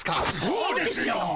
そうですよ！